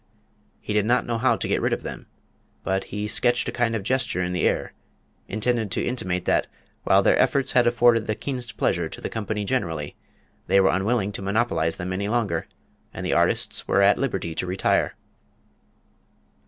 He did not know how to get rid of them, but he sketched a kind of gesture in the air, intended to intimate that, while their efforts had afforded the keenest pleasure to the company generally, they were unwilling to monopolise them any longer, and the artists were at liberty to retire.